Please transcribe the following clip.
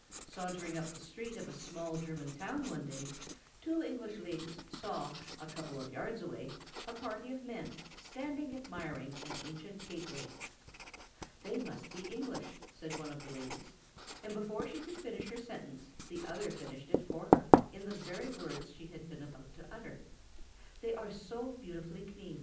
Sauntering up the street of a small German town one day, two English ladies saw, a couple of hundred yards away, a party of men standing admiring an ancient gateway. [Sidenote: "They must be English."] "They must be English," said one of the ladies; and before she could finish her sentence the other finished it for her in the very words she had been about to utter: "They are so beautifully clean!"